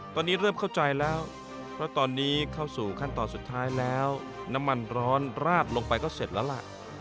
ตอนนี้เริ่มเข้าใจแล้วเพราะตอนนี้เข้าสู่ขั้นตอนสุดท้ายแล้วน้ำมันร้อนราดลงไปก็เสร็จแล้วล่ะ